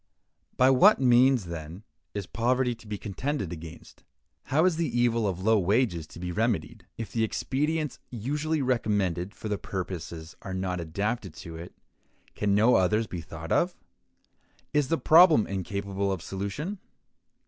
By what means, then, is poverty to be contended against? How is the evil of low wages to be remedied? If the expedients usually recommended for the purpose are not adapted to it, can no others be thought of? Is the problem incapable of solution?